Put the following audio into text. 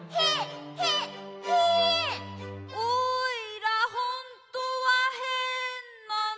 「おいらほんとはへんなの？」